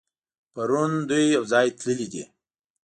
پرون دوی يوځای تللي دي.